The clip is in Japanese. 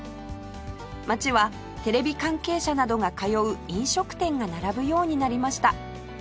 街はテレビ関係者などが通う飲食店が並ぶようになりました